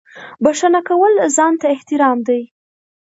• بښنه کول ځان ته احترام دی.